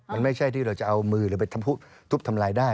มันไม่ใช่ที่เราจะเอามือหรือไปทำทุบทำลายได้